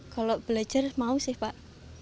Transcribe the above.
kalau belajar mau sih pak